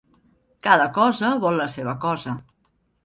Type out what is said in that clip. Cada cosa vol la seva cosa.